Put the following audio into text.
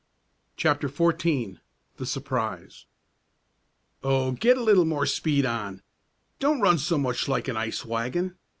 CHAPTER XIV THE SURPRISE "Oh, get a little more speed on! Don't run so much like an ice wagon.